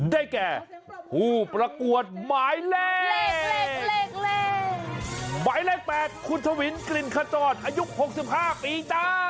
ได้แก่ผู้ประกวดหมายแรกหมายแรก๘คุณถวินกลิ่นข้าทรอดอายุ๖๕ปีต้า